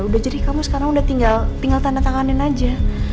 udah jadi kamu sekarang udah tinggal tanda tanganin aja